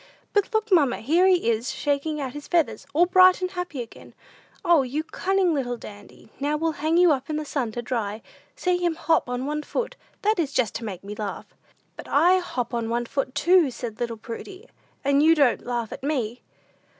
"But look, mamma; here he is, shaking out his feathers, all bright and happy again. O, you cunning little Dandy, now we'll hang you up in the sun to dry. See him hop on one foot; that is just to make me laugh." "But I hop on one foot, too," said little Prudy, "and you don't laugh at me."